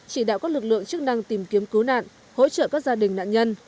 chỉ đạo các lực lượng chức năng tìm kiếm cứu nạn hỗ trợ các gia đình nạn nhân